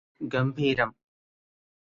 ഗംഭീരം